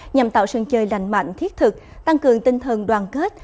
nhằm tạo sân chơi lành mạnh thiết thực tăng cường tinh thần đoàn kết